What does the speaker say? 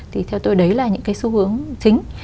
thì theo tôi đấy là những cái xu hướng chính